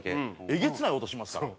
えげつない音しますから。